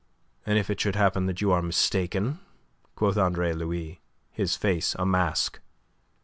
"And if it should happen that you are mistaken?" quoth Andre Louis, his face a mask.